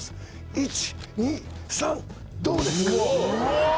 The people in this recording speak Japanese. １２３どうですか？